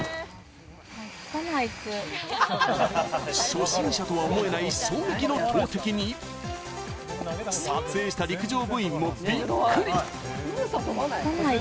初心者とは思えない衝撃の投てきに撮影した陸上部員もびっくり。